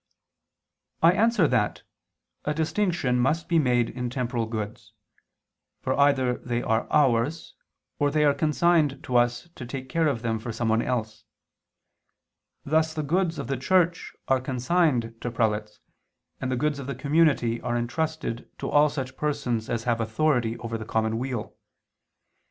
I answer that, A distinction must be made in temporal goods: for either they are ours, or they are consigned to us to take care of them for someone else; thus the goods of the Church are consigned to prelates, and the goods of the community are entrusted to all such persons as have authority over the common weal.